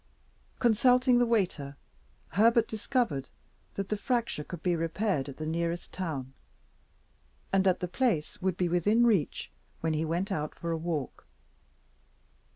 Consulting the waiter, Herbert discovered that the fracture could be repaired at the nearest town, and that the place would be within reach when he went out for a walk.